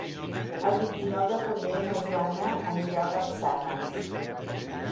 El vint-i-nou de febrer na Joana anirà a Capçanes.